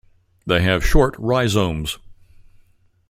They have short rhizomes.